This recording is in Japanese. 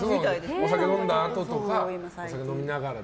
お酒飲んだあととか飲みながら。